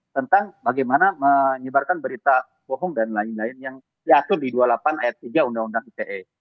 tentang bagaimana menyebarkan berita bohong dan lain lain yang diatur di dua puluh delapan ayat tiga undang undang ite